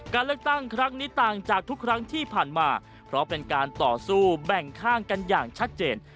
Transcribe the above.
การเลือกตั้งครั้งนี้ต่างจากทุกครั้งที่ผ่านมาเพราะเป็นการต่อสู้แบ่งข้างกันอย่างชัดเจน